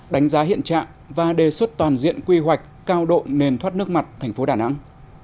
đánh giá hiện trạng và đề xuất toàn diện quy hoạch cao độ nền thoát nước mặt thành phố đà nẵng